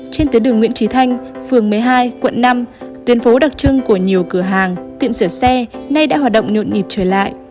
trên tuyến đường nguyễn trí thanh phường một mươi hai quận năm tuyến phố đặc trưng của nhiều cửa hàng tiệm sửa xe nay đã hoạt động nhộn nhịp trở lại